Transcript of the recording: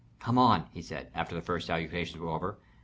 "Come on," he said, after the first salutations were over.